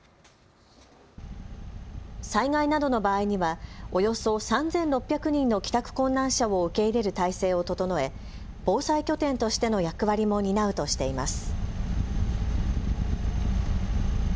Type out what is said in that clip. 災害などの場合には、およそ３６００人の帰宅困難者を受け入れる態勢を整え防災拠点としての役割も担うとしています。